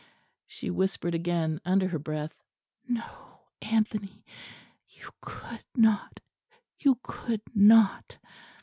she whispered again under her breath. "No, Anthony! you could not, you could not!"